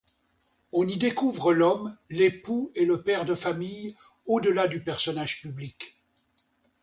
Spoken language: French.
On y découvre l'homme, l'époux et le père de famille au-delà du personnage public.